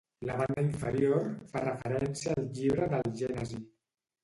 La banda inferior fa referència al llibre del Gènesi.